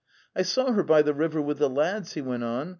' I saw her by the river with the lads," he went on.